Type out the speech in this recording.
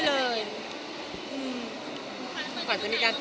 เปลี่ยนแล้วค่ะ